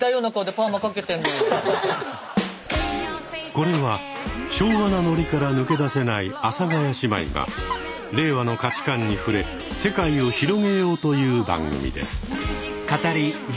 これは昭和なノリから抜け出せない阿佐ヶ谷姉妹が令和の価値観に触れ世界を広げようという番組です。